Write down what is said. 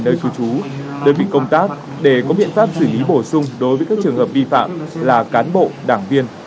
đưa rượu bia về nơi thu chú đơn vị công tác để có biện pháp xử lý bổ sung đối với các trường hợp bi phạm là cán bộ đảng viên